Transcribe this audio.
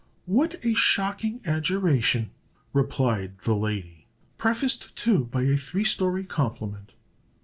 "What a shocking adjuration!" replied the lady; "prefaced, too, by a three story compliment.